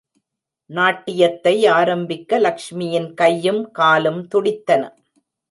நாட்டியத்தை ஆரம்பிக்க, லஷ்மியின் கையும், காலும் துடித்தன.